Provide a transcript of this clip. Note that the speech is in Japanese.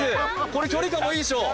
これ距離感もいいでしょう